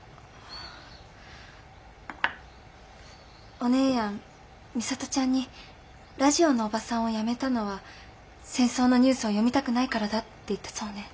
お姉やん美里ちゃんに「ラジオのおばさんを辞めたのは戦争のニュースを読みたくないからだ」って言ったそうね。